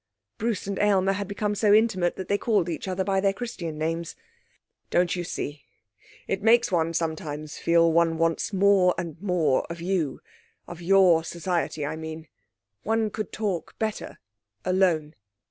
(Bruce and Aylmer had become so intimate that they called each other by their Christian names.) 'Don't you see, it makes one sometimes feel one wants more and more of you of your society I mean. One could talk better alone.'